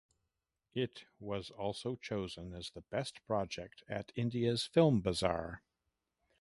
It was also chosen as the best project at India’s Film Bazaar.